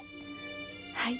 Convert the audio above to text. はい。